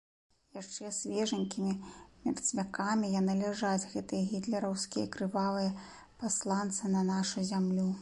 Яшчэ свежанькімі мерцвякамі яны ляжаць, гэтыя гітлераўскія крывавыя пасланцы на нашу зямлю.